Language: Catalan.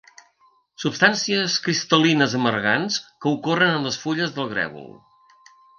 Substàncies cristal·lines amargants que ocorren en les fulles del grèvol.